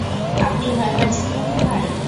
আপনি ভয় পাচ্ছেন গফুর ভাই?